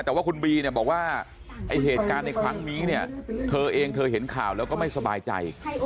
แต่ว่าคุณบีเนี่ยบอกว่าไอ้เหตุการณ์ในครั้งนี้เนี่ยเธอเองเธอเห็นข่าวแล้วก็ไม่สบายใจ